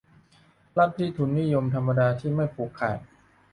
ลัทธิทุนนิยมธรรมดาที่ไม่ผูกขาด